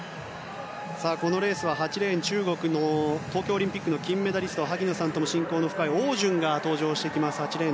このレースは８レーン中国の東京オリンピック金メダリスト萩野さんとも親交の深いオウ・ジュンが登場します。